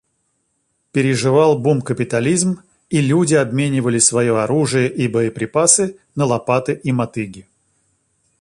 Переживал бум капитализм, и люди обменивали свое оружие и боеприпасы на лопаты и мотыги.